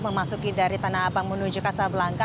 memasuki dari tanah abang menuju kasab langka